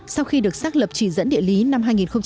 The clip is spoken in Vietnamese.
sau khi được xác lập chỉ dẫn địa lý năm hai nghìn một mươi